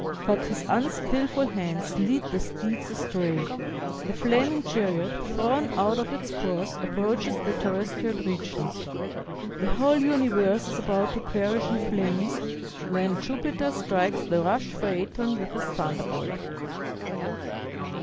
But his unskilful hands lead the steeds astray. The flaming chariot, thrown out of its course, approaches the terrestrial regions. The whole universe is about to perish in flames, when Jupiter strikes the rash Phaëton with his thunderbolt."